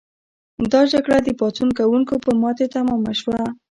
دا جګړه د پاڅون کوونکو په ماتې تمامه شوه.